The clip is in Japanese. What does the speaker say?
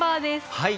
はい。